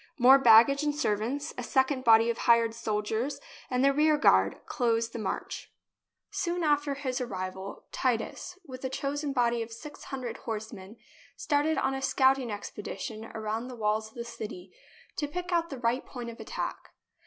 More baggage and servants, a second body of hired soldiers, and the rear guard, closed the march. Soon after his arrival, Titus, with a chosen body of six hundred horsemen, started on a scouting ex pedition around the walls of the city to pick out the right point of attack.